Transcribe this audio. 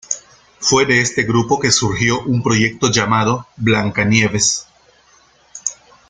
Fue de este grupo que surgió un proyecto llamado "Blanca Nieves".